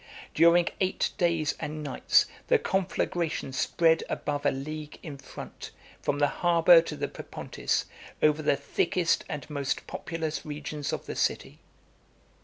During eight days and nights, the conflagration spread above a league in front, from the harbor to the Propontis, over the thickest and most populous regions of the city.